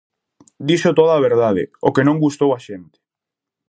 Dixo toda a verdade, o que non gustou á xente.